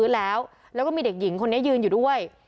แล้วก็มีเด็กหญิงคนนี้ยืนอยู่ด้วย